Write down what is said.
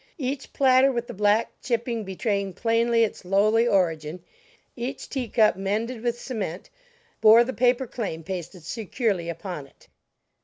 Each platter with the black chipping betraying plainly its lowly origin, each tea cup mended with cement, bore the paper claim pasted securely upon it.